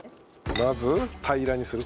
まず平らにする。